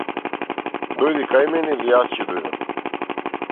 Дојди кај мене или јас ќе дојдам.